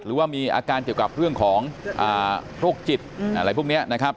หรือว่ามีอาการเกี่ยวกับเรื่องของโรคจิตอะไรพวกนี้นะครับ